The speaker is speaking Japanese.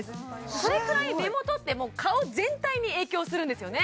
それくらい目元って顔全体に影響するんですよね